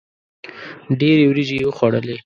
ډېري وریجي یې وخوړلې.